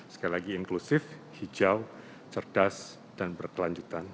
sekali lagi inklusif hijau cerdas dan berkelanjutan